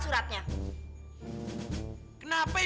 candy ya allah ini